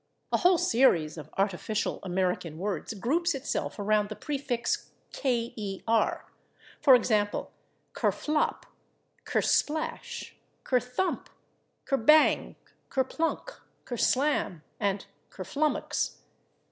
A whole series of artificial American words groups itself around the prefix /ker/, for example, /ker flop/, /ker splash/, /ker thump/, /ker bang/, /ker plunk/, /ker slam/ and /ker flummux